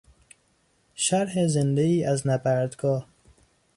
شرح زندهای از نبردگاه